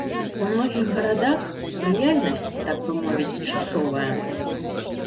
У многіх гарадах спрыяльнасць, так бы мовіць, часовая.